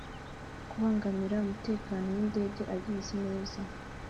Kubangamira umutekano w indege abizi neza